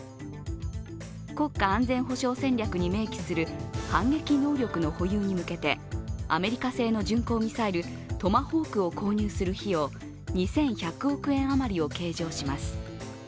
国家安全保障戦略に明記する反撃能力の保有に向けてアメリカ製の巡航ミサイルトマホークを購入する費用２１００億円余りを計上します。